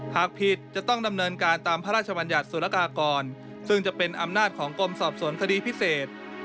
หากผิดจะต้องดำเนินการตามพระราชบัญญัติสุรกากรซึ่งจะเป็นอำนาจของกรมสอบสวนคดีพิเศษ